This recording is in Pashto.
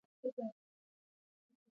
بزګان د افغانستان یوه طبیعي ځانګړتیا ده.